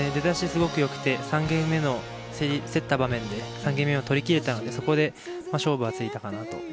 すごく良くて、３ゲーム目の競った場面で３ゲームを取り切れたのでそこで勝負がついたかなと。